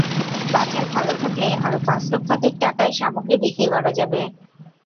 বাজার ভালো থাকলে আরও পাঁচ লক্ষাধিক টাকার সামগ্রী বিক্রি করা যাবে।